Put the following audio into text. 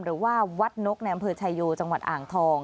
หรือว่าวัดนกในอำเภอชายโยจังหวัดอ่างทอง